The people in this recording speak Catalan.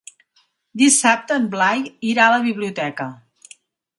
Dissabte en Blai irà a la biblioteca.